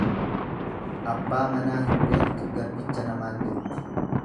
Abbaa namaa hin beektu garbicha namaan jetti.